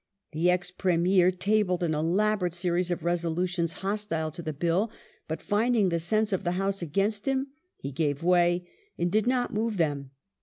The ex Premier tabled an elaborate series of resolutions hostile to the Bill, but finding the sense of the House against him he gave way and did not move them.